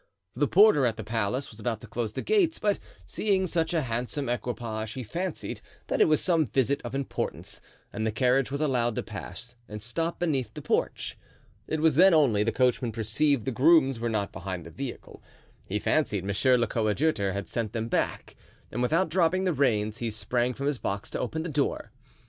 The porter at the palace was about to close the gates, but seeing such a handsome equipage he fancied that it was some visit of importance and the carriage was allowed to pass and to stop beneath the porch. It was then only the coachman perceived the grooms were not behind the vehicle; he fancied monsieur le coadjuteur had sent them back, and without dropping the reins he sprang from his box to open the door.